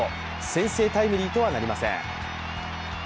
先制タイムリーとはなりません。